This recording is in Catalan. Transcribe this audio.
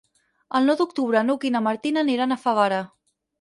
El nou d'octubre n'Hug i na Martina aniran a Favara.